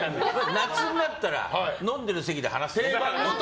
夏になったら飲んでる席で話す。